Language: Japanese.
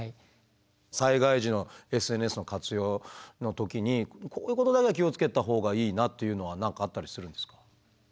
災害時のＳＮＳの活用の時にこういうことだけは気を付けた方がいいなというのは何かあったりするんですか？